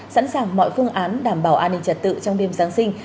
sẵn sàng mọi phương án đảm bảo an ninh trật tự trong đêm giáng sinh